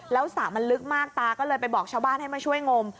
แล้วสระมันลึกมากตาก็เลยไปบอกชาวบ้านให้มาช่วยงม